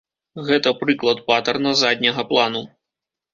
Гэта прыклад патэрна задняга плану.